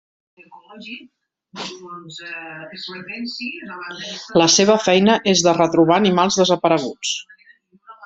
La seva feina és de retrobar animals desapareguts.